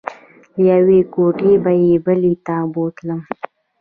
له یوې کوټې به یې بلې ته بوتلو.